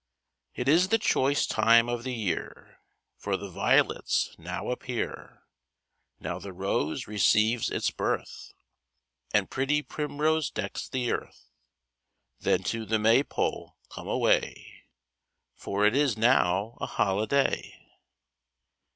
It is the choice time of the year, For the violets now appear; Now the rose receives its birth, And pretty primrose decks the earth. Then to the May pole come away, For it is now a holiday.